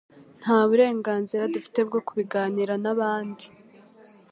nta burenganzira dufite bwo kubiganira n'abandi.